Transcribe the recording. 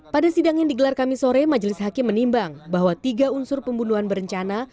pada sidang yang digelar kami sore majelis hakim menimbang bahwa tiga unsur pembunuhan berencana